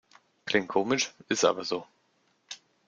Klingt komisch, ist aber so.